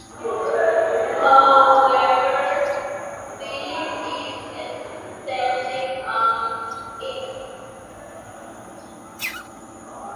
However, Philippe is standing on it.